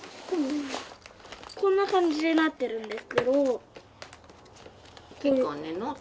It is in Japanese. こんな感じになってるんですけど。